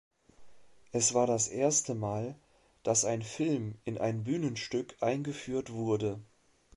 Es war das erste Mal, dass ein Film in ein Bühnenstück eingefügt wurde.